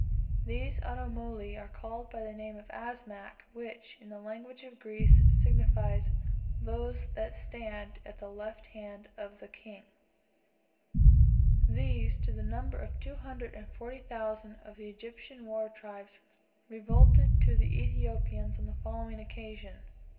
These Automoli are called by the name of Asmak, which, in the language of Greece, signifies "those that stand at the left hand of the king." These, to the number of two hundred and forty thousand of the Egyptian war tribe, revolted to the Ethiopians on the following occasion.